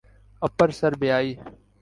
اپر سربیائی